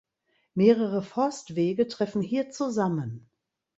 Mehrere Forstwege treffen hier zusammen.